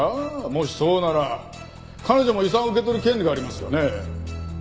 もしそうなら彼女も遺産を受け取る権利がありますよね。